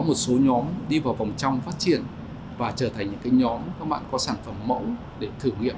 một số nhóm đi vào vòng trong phát triển và trở thành những nhóm các bạn có sản phẩm mẫu để thử nghiệm